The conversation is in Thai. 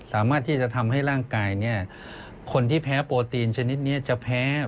สามารถที่จะทำให้ร่างกายเนี่ยคนที่แพ้โปรตีนชนิดนี้จะแพ้